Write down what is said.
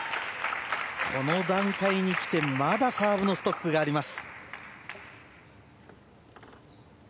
この段階にきてまだサーブのストックがあります。